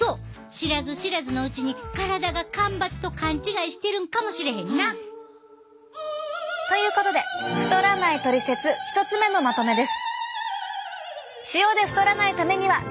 知らず知らずのうちに体が干ばつと勘違いしてるんかもしれへんな。ということで太らないトリセツ１つ目のまとめです！